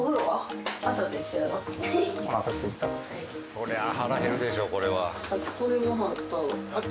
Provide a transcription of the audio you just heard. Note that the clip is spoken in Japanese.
そりゃあ腹減るでしょこれは。